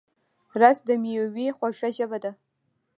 رس د مېوې خوږه ژبه ده